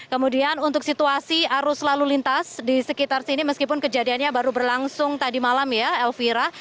kemudian untuk situasi arus lalu lintas di sekitar sini meskipun kejadiannya baru berlangsung tadi malam ya elvira